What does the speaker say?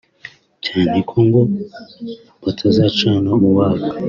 cyane ko ngo batacanaga uwaka